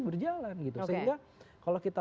berjalan gitu sehingga kalau kita